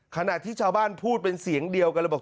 ขณะที่ชาวบ้านพูดเป็นเสียงเดียวกันเลยบอก